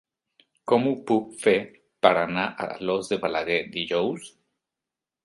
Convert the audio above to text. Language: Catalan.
Com ho puc fer per anar a Alòs de Balaguer dijous?